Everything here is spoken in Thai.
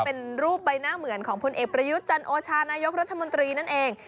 เป็นรูปใบหน้าเหมือนของพลเอกประยุทธ์จันโอชานายกรัฐมนตรีนั่นเอง